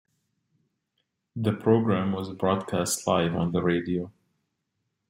The program was broadcast live on the radio.